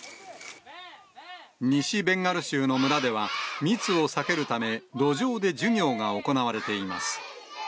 西ベンガル州の村では、密を避けるため、路上で授業が行われています。